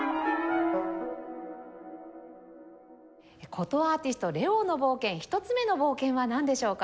箏アーティスト・ＬＥＯの冒険１つ目の冒険はなんでしょうか？